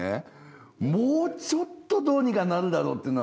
もうちょっとどうにかなるだろうっていう。